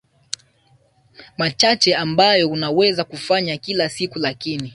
machache ambayo unaweza kufanya kila siku lakini